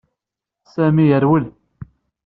Sami yerwel.